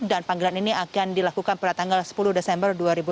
dan panggilan ini akan dilakukan pada tanggal sepuluh desember dua ribu dua puluh